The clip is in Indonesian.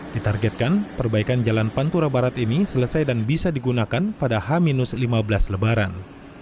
ditargetkan perbaikan jalan pantura barat ini selesai dan bisa digunakan pada h lima belas lebaran